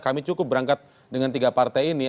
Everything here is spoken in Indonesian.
kami cukup berangkat dengan tiga partai ini